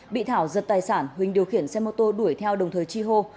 bị thảo giật tài sản huỳnh điều khiển xe mô tô đuổi theo đồng thời chi hô